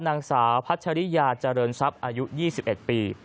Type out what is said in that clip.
นางสาวพัชริยาเจริญทรัพย์อายุ๒๑ปี